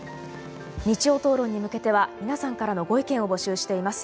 「日曜討論」に向けては皆さんからのご意見を募集しています。